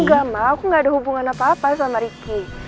enggak ma aku gak ada hubungan apa apa sama riki